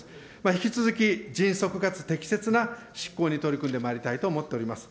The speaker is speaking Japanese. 引き続き迅速かつ適切な執行に取り組んでまいりたいと思っております。